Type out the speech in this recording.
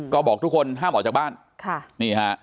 ก็บอกทุกคนห้ามออกจากบ้านค่ะนี่ฮะ